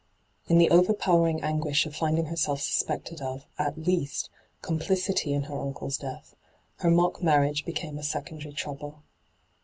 In the overpowering anguish of finding herself suspected of, at least, complicity in her uncle's death, her mock marriage became a secondary trouble.